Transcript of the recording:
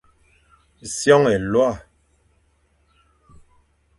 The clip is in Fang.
Sioñ élôa,